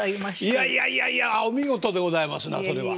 いやいやいやいやお見事でございますなそれは。